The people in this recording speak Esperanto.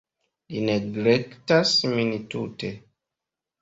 Li neglektas min tute.